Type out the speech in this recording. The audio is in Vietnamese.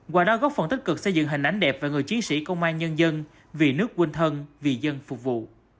quả đo góp phần tích cực xây dựng hình ảnh đẹp về người chiến sĩ công an nhân dân vì nước quân thân vì dân phục vụ